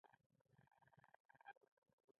او د دردونو تاب مې له وس او توان څخه وځي.